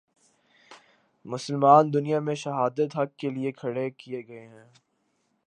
مسلمان دنیا میں شہادت حق کے لیے کھڑے کیے گئے ہیں۔